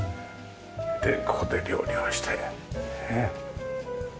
でここで料理をしてねえ。